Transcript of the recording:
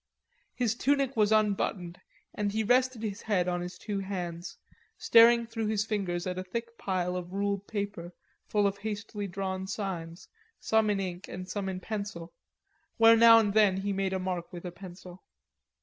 His tunic was unbuttoned and he rested his head on his two hands, staring through his fingers at a thick pile of ruled paper full of hastily drawn signs, some in ink and some in pencil, where now and then he made a mark with a pencil.